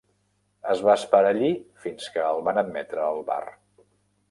Es va esperar allí fins que el van admetre al bar.